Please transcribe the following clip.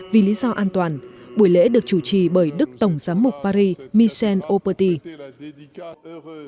vì lý do an toàn buổi lễ được chủ trì bởi đức tổng giám mục paris michel operti